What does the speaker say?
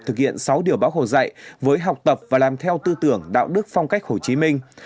thực hiện sáu điều bác hồ dạy với học tập và làm theo tư tưởng đạo đức phong cách hồ chí minh